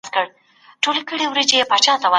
پارلمان به د تاريخي کتابونو د چاپېدو ملاتړ کوي.